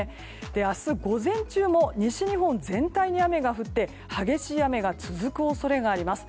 明日午前中も西日本全体に雨が降って激しい雨が続く恐れがあります。